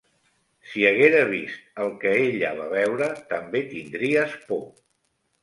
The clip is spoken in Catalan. Si haguera vist el que ella va veure també tindries por